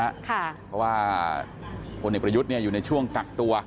เพราะว่าพลเอกประยุทธ์อยู่ในช่วงกักตัว